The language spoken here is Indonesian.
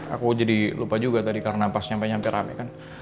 aku jadi lupa juga tadi karena pas nyampe nyampe rame kan